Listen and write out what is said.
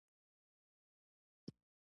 آب وهوا د افغانستان د طبعي سیسټم توازن ساتي.